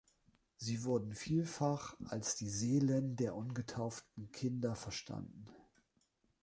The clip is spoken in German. Sie wurden vielfach als die Seelen der ungetauften Kinder verstanden.